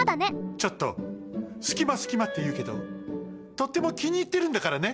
ちょっとすきますきまっていうけどとってもきにいってるんだからね。